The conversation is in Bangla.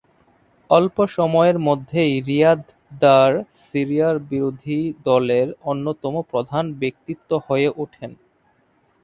অল্প সময়ের মধ্যেই রিয়াদ দার সিরিয়ার বিরোধী দলের অন্যতম প্রধান ব্যক্তিত্ব হয়ে ওঠেন।